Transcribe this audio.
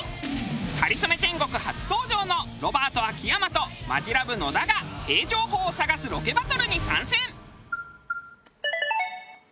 『かりそめ天国』初登場のロバート秋山とマヂラブ野田がへぇ情報を探すロケバトルに参戦。